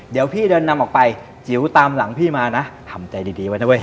เดี๋ยวพี่เดินนำออกไปจิ๋วตามหลังพี่มานะทำใจดีไว้นะเว้